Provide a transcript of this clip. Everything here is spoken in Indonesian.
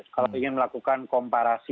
kalau ingin melakukan komparasi